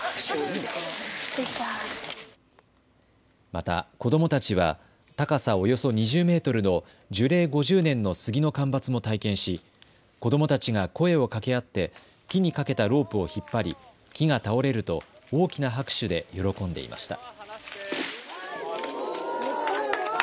また子どもたちは高さおよそ２０メートルの樹齢５０年の杉の間伐も体験し子どもたちが声を掛け合って木にかけたロープを引っ張り木が倒れると大きな拍手で喜んでいました。